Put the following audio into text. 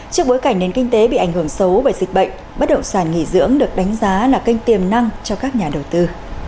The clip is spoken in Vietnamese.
trước bối cảnh nền kinh tế bị ảnh hưởng xấu bởi dịch bệnh bất động sản nghỉ dưỡng được đánh giá là kênh tiềm năng cho các nhà đầu tư